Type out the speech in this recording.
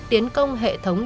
tiến công hệ thống